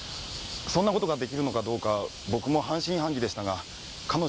そんな事ができるのかどうか僕も半信半疑でしたが彼女は真剣で。